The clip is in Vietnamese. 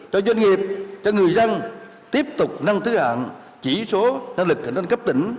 cho doanh nghiệp cho người dân tiếp tục nâng thứ hạng chỉ số năng lực hành động cấp tỉnh